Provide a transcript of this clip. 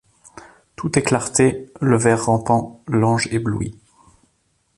Tout est clarté. Le ver rampant, l’ange ébloui